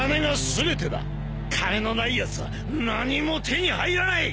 金のないやつは何も手に入らない！